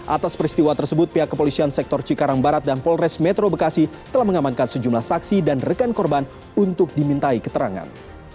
atas peristiwa tersebut pihak kepolisian sektor cikarang barat dan polres metro bekasi telah mengamankan sejumlah saksi dan rekan korban untuk dimintai keterangan